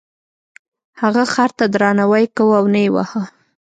هغه خر ته درناوی کاوه او نه یې واهه.